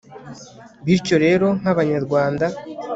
bityo rero nk'abanyarwanda